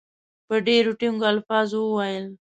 په ډېرو ټینګو الفاظو وویل.